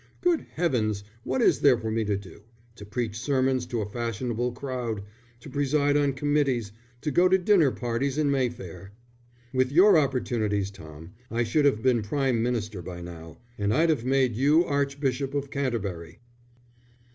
Good heavens, what is there for me to do to preach sermons to a fashionable crowd, to preside on committees, to go to dinner parties in Mayfair. With your opportunities, Tom, I should have been Prime Minister by now, and I'd have made you Archbishop of Canterbury."